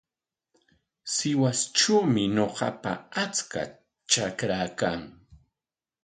Sihuastrawmi ñuqapa achka trakaa kan.